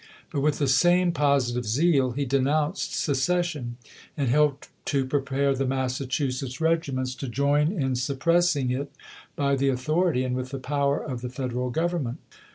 But with the same positive 133 134 ABRAHAM LINCOLN Chap. VII. zeal lie denounced secession, and helped to prepare the Massachusetts regiments to join in suppressing it by the authority and with the power of the Fed eral Grovernment.